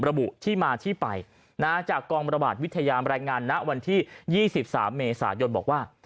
ระบุที่มาที่ไปนะฮะจากกองระบาดวิทยาลัยงานนะวันที่ยี่สิบสามเมษายนบอกว่า